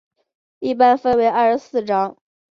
一般分为二十四章。